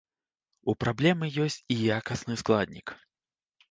У праблемы ёсць і якасны складнік.